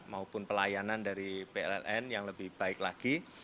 dan pelayanan dari pln yang lebih baik lagi